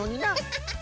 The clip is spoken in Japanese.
ハハハ！